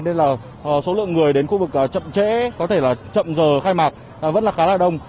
nên là số lượng người đến khu vực chậm trễ có thể là chậm giờ khai mạc vẫn là khá là đông